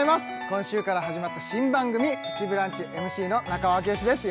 今週から始まった新番組「プチブランチ」ＭＣの中尾明慶です